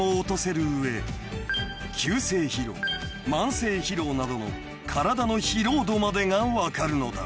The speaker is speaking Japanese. ［急性疲労慢性疲労などの体の疲労度までが分かるのだ］